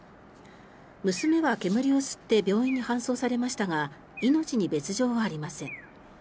娘は煙を吸って病院に搬送されましたが命に別条はありません。